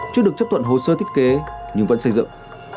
chưa được chấp thuận hồ sơ thiết kế nhưng vẫn xây dựng